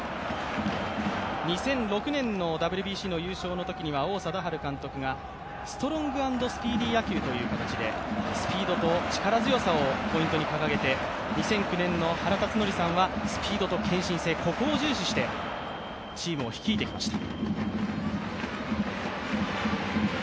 ２００６年のＷＢＣ優勝のときは王貞治監督がストロング・アンド・スピーディ野球という形でスピードと力強さをポイントに掲げて、２００９年の原辰徳さんはスピードと献身性、ここを重視して、チームを率いてきました。